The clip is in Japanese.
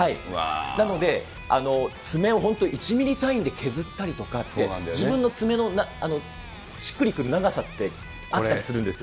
なので、爪を本当、１ミリ単位で削ったりとかって、自分の爪のしっくりくる長さってあったりするんですよ。